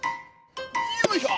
よいしょ！